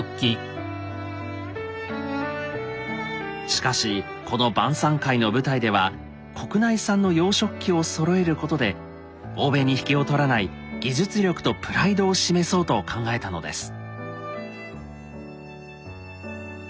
しかしこの晩さん会の舞台では国内産の洋食器をそろえることで欧米に引けを取らない技術力とプライドを示そうと考えたのです。